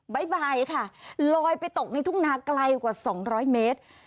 บ๊ายบายค่ะลอยไปตกในทุ่งนาไกลกว่าสองร้อยเมตร